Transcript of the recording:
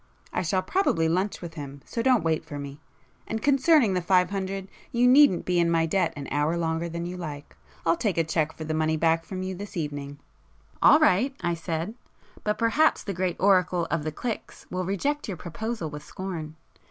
I shall probably lunch with him, so don't wait for me. And concerning the five hundred, you needn't be in my debt an hour longer than you like—I'll take a cheque for the money back from you this evening." "All right"—I said—"But perhaps the great oracle of the cliques will reject your proposals with scorn."